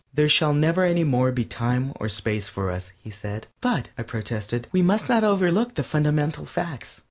"There shall never any more be time or space for us," he said. "But," I protested, "we must not overlook the fundamental facts."